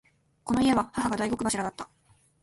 この家は母が大黒柱だった。